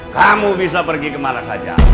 kamu bisa pergi kemana saja